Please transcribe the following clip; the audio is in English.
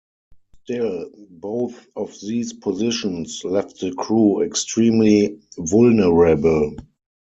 Still, both of these positions left the crew extremely vulnerable.